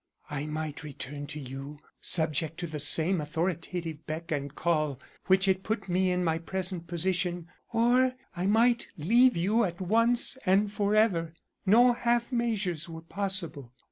I might return to you, subject to the same authoritative beck and call which had put me in my present position, or I might leave you at once and forever. No half measures were possible.